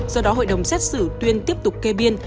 do đó hội đồng xét xử tuyên tiếp tục kê biên